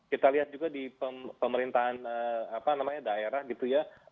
kita lihat juga di pemerintahan daerah gitu ya